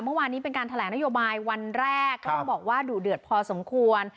เมื่อวานนี้เป็นการแถลงนโยบายวันแรกก็ต้องบอกว่าดุเดือดพอสมควร